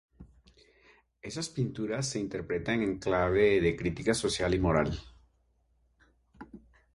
Estas pinturas se interpretan en clave de crítica social y moral.